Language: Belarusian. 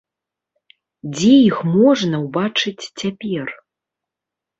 Дзе іх можна ўбачыць цяпер?